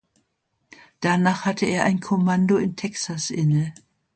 Danach hatte er ein Kommando in Texas inne.